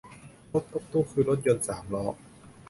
รถตุ๊กตุ๊ก คือรถยนต์สามล้อ